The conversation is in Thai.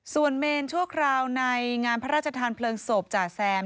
ส่วนเมนชั่วคราวในงานพระราชทานเพลิงศพจ่าแซม